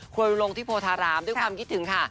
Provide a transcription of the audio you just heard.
ครัวลุงลงที่โพทารามด้วยความคิดถึงค่ะ